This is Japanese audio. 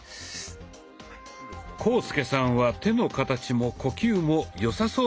浩介さんは手の形も呼吸もよさそうな感じです。